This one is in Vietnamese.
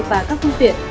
và các khu tiện